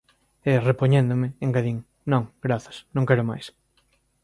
E, repoñéndome, engadín—: Non, grazas, non quero máis.